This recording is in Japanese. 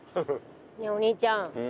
ねえお兄ちゃんうん？